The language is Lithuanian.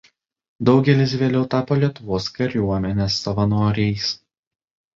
Daugelis vėliau tapo Lietuvos kariuomenės savanoriais.